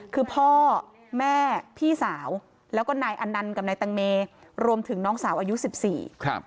คือพ่อแม่พี่สาวแล้วก็นายอนันต์กับนายตังเมรวมถึงน้องสาวอายุสิบสี่ครับ